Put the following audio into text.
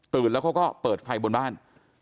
ตื่นแล้วก็เปิดไฟบนบ้าน